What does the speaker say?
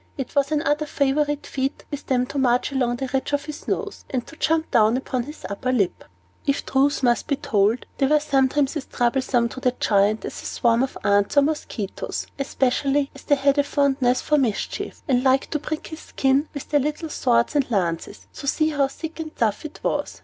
It was another favorite feat with them to march along the bridge of his nose, and jump down upon his upper lip. If the truth must be told, they were sometimes as troublesome to the Giant as a swarm of ants or mosquitoes, especially as they had a fondness for mischief, and liked to prick his skin with their little swords and lances, to see how thick and tough it was.